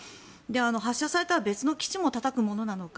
発射されたら別の基地もたたくものなのか。